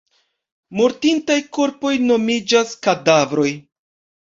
Mortintaj korpoj nomiĝas kadavroj.